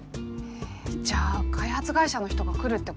えじゃあ開発会社の人が来るってこと？